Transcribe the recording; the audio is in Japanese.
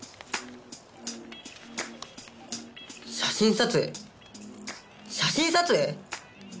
写真撮影写真撮影！？